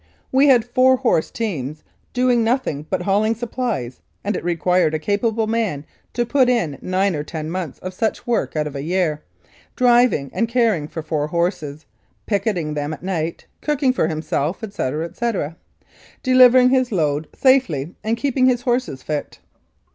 We had four four horse teams doing nothing but hauling supplies, and it required a capable man to put in nine or ten months of such work out of a year, driving and caring for four horses, picketing them at night, cooking for himself, etc. etc., delivering his load safely and keeping his horses fit.